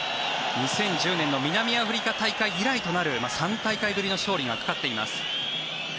２０１０年の南アフリカ大会以来となる３大会ぶりの勝利がかかっています。